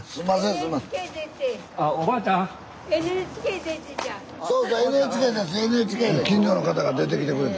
スタジオ近所の方が出てきてくれた。